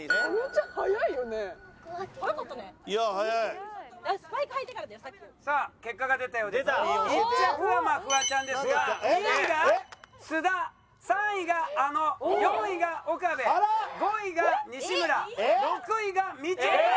１着はまあフワちゃんですが２位が須田３位があの４位が岡部５位が西村６位がみちょぱ。